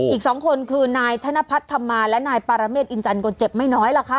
อีก๒คนคือนายธนพัฒนธรรมาและนายปารเมฆอินจันทร์ก็เจ็บไม่น้อยล่ะค่ะ